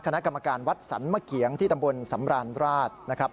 คณะกรรมการวัดสันเมื่อกี๋ที่ทำบุญสำรราณราชนะครับ